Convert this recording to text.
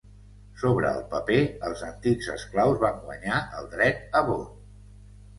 Sobre el paper, els antics esclaus van guanyar el dret a vot.